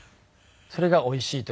それがおいしいというか。